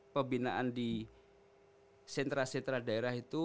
pembinaan di sentra sentra daerah itu